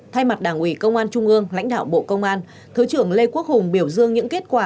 thay mặt đảng ủy công an trung ương lãnh đạo bộ công an thứ trưởng lê quốc hùng biểu dương những kết quả